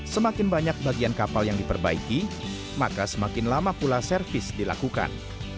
semakin banyak bagian kapal yang diperbaiki maka semakin lama pula servis dilakukan